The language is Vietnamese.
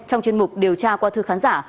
trong chuyên mục điều tra qua thư khán giả